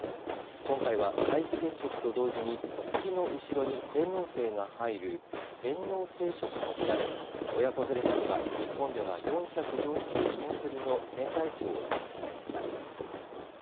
今回は、皆既月食と同時に月の後ろに天王星が入る天王星食も見られ親子連れなどが日本では４４２年ぶりの天体ショーを楽しみました。